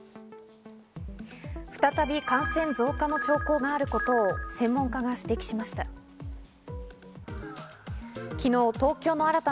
再び感染増加の兆候があることを専門家が指摘しました。